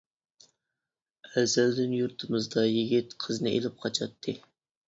ئەزەلدىن يۇرتىمىزدا يىگىت قىزنى ئېلىپ قاچاتتى.